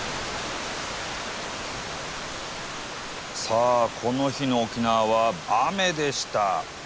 さあこの日の沖縄は雨でした。